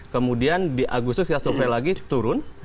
kemudian di agustus kita survei lagi turun